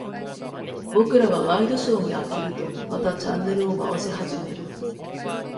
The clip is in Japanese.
僕らはワイドショーに飽きると、またチャンネルを回し始める。